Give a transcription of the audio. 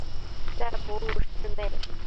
在哺乳室内